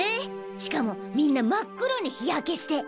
しかもみんな真っ黒に日焼けして。